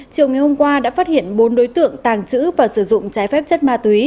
chiều ngày hôm qua đã phát hiện bốn đối tượng tàng trữ và sử dụng trái phép chất ma túy